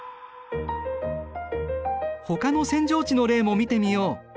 ほかの扇状地の例も見てみよう。